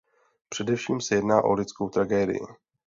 Především se jedná o lidskou tragédii.